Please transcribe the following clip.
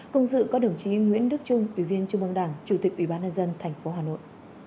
công dự có đồng chí nguyễn đức trung ủy viên trung băng đảng chủ tịch ủy ban nhân dân thành phố hà nội